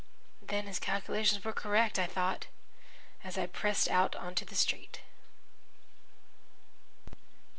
"Then his calculations were correct," I thought, as I pressed out into the street.